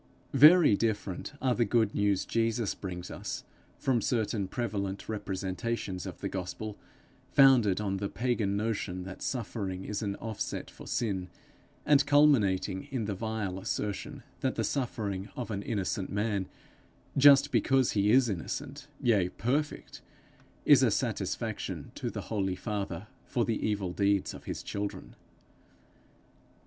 Very different are the good news Jesus brings us from certain prevalent representations of the gospel, founded on the pagan notion that suffering is an offset for sin, and culminating in the vile assertion that the suffering of an innocent man, just because he is innocent, yea perfect, is a satisfaction to the holy Father for the evil deeds of his children.